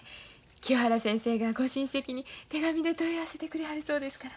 清原先生がご親戚に手紙で問い合わせてくれはるそうですから。